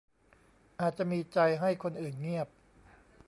อาจจะมีใจให้คนอื่นเงียบ